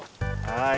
はい。